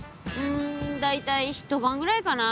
んだいたいひとばんぐらいかな。